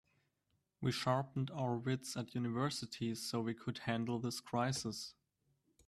We sharpened our wits at university so we could handle this crisis.